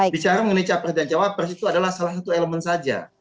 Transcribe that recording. bicara mengenai capres dan cawapres itu adalah salah satu elemen saja